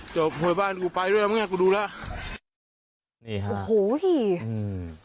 เวลาโหยบ้านกูไปด้วยมาไงกูดูล่ะนี่ฮะโอ้โหตีอืม